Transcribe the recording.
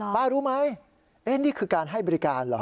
ป้ารู้ไหมเนี่ยนี่คือการให้บริการหรอ